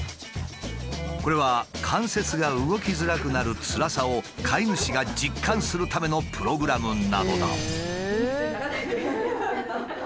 これは関節が動きづらくなるつらさを飼い主が実感するためのプログラムなのだ。